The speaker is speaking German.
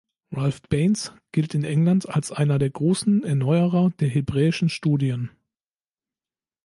Ralph Baines gilt in England als einer der großen Erneuerer der hebräischen Studien.